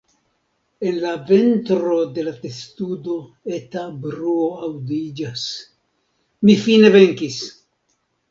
En la ventro de la testudo, eta bruo aŭdiĝas: "Mi fine venkis!"